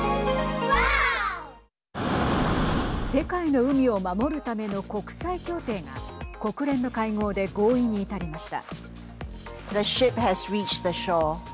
世界の海を守るための国際協定が国連の会合で合意に至りました。